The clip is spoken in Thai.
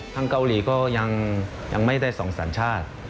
เกาหลีก็ยังไม่ได้๒สัญชาติ